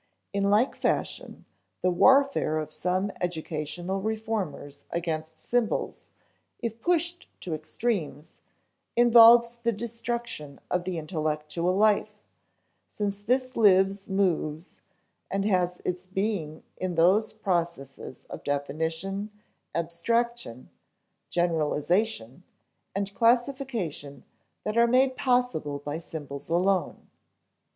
In like fashion, the warfare of some educational reformers against symbols, if pushed to extremes, involves the destruction of the intellectual life, since this lives, moves, and has its being in those processes of definition, abstraction, generalization, and classification that are made possible by symbols alone.